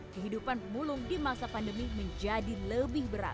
kehidupan pemulung di masa pandemi menjadi lebih berat